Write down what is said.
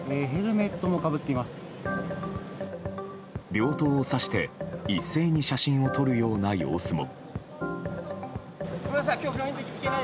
病棟を指して一斉に写真を撮るような様子も。